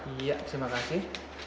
iya terima kasih